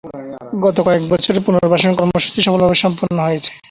গত কয়েক বছরে পুনর্বাসন কর্মসূচি সফলভাবে সম্পন্ন হয়েছে।